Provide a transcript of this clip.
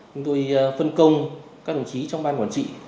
chúng tôi phân công các đồng chí trong ban quản trị